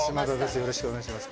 よろしくお願いします。